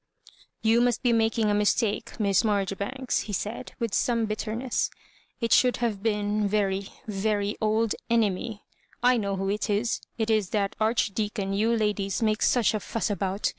" You must be making a mistake. Miss Mar joribanks," he said, with some bitterness; "it should have been, very, very old enemy. I know who it is. It is that Archdeacon you ladies make such a fuss about.